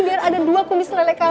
biar ada dua kumis lele kale